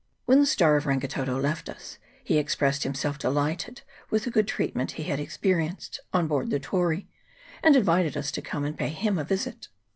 When "the Star of Rangitoto" left us, he expressed himself delighted with the good treat ment he had experienced on board the Tory, and invited us to come and pay him a visit.